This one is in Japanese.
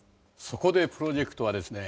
そこでプロジェクトはですね